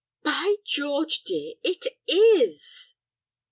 "By George, dear, it is!"